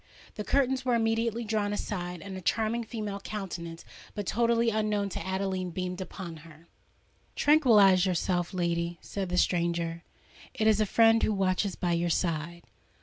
The curtains were immediately drawn aside; and a charming female countenance, but totally unknown to Adeline, beamed upon her. "Tranquillise yourself, lady," said the stranger: "it is a friend who watches by your side."